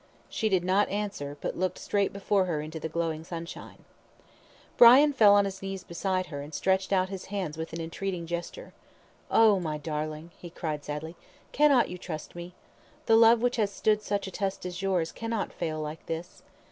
She did not answer, but looked straight before her into the glowing sunshine. Brian fell on his knees beside her, and stretched out his hands with an entreating gesture. "Oh, my darling," he cried sadly, "cannot you trust me? The love which has stood such a test as yours cannot fail like this.